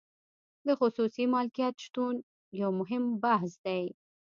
د خصوصي مالکیت شتون یو مهم بحث دی.